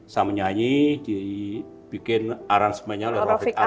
saya menyanyi dibikin arrangementnya oleh rofiq ali